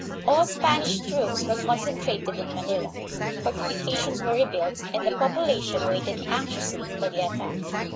All Spanish troops were concentrated in Manila, fortifications were rebuilt, and the population waited anxiously for the attack.